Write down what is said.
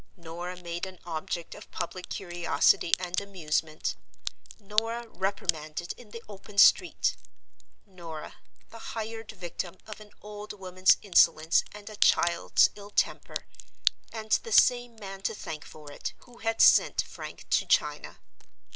Norah made an object of public curiosity and amusement; Norah reprimanded in the open street; Norah, the hired victim of an old woman's insolence and a child's ill temper, and the same man to thank for it who had sent Frank to China!